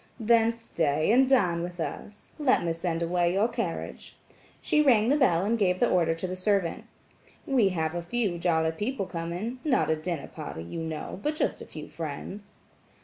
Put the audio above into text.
"Then stay and dine with us. Let me send away your carriage." She rang the bell and gave the order to the servant. "We have a few jolly people coming–not a dinner party, you know, but just a few friends."